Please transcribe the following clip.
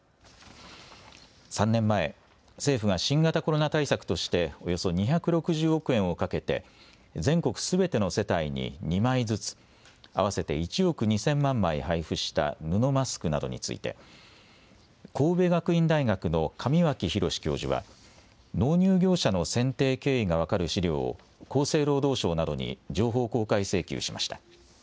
３年前、政府が新型コロナ対策としておよそ２６０億円をかけて全国すべての世帯に２枚ずつ、合わせて１億２０００万枚配布した布マスクなどについて神戸学院大学の上脇博之教授は、納入業者の選定経緯が分かる資料を厚生労働省などに情報公開請求しました。